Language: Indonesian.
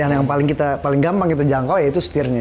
yang paling kita paling gampang kita jangkau ya itu stirnya